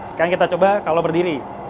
sekarang kita coba kalau berdiri